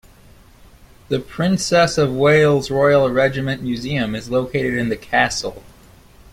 The Princess of Wales's Royal Regiment Museum is located in the castle.